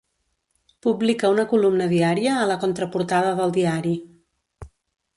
Publica una columna diària a la contraportada del diari.